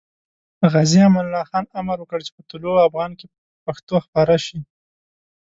غازي امان الله خان امر وکړ چې په طلوع افغان کې پښتو خپاره شي.